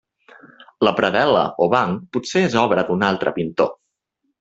La predel·la o banc potser és obra d'un altre pintor.